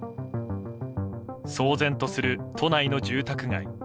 騒然とする都内の住宅街。